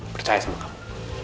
percaya sama kamu